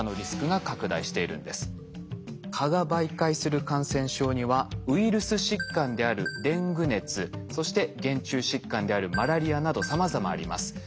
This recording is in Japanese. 蚊が媒介する感染症にはウイルス疾患であるデング熱そして原虫疾患であるマラリアなどさまざまあります。